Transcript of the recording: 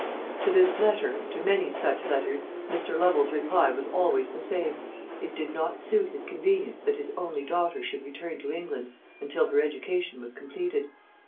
To this letter, and to many such, letters, Mr. Lovel's reply was always the same. It did not suit his convenience that his only daughter should return to England until her education was completed.